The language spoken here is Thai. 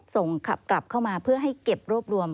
ส่งขับกลับเข้ามาเพื่อให้เก็บรวบรวม